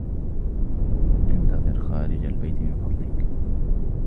انتظر خارج البيت من فضلك.